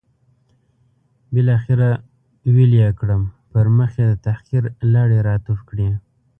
بالاخره ویلې یې کړم، پر مخ یې د تحقیر لاړې را توف کړې.